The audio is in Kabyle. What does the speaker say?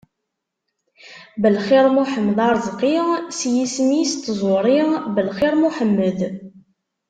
Belxir Muḥemmed Arezki, s yisem-is n tẓuri Belxir Muḥemmed.